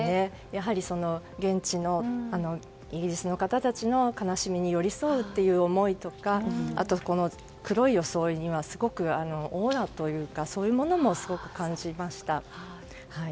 やはり現地のイギリスの方たちの悲しみに寄り添うという思いとかあと黒い装いにはすごくオーラというかそういうものもすごく感じました。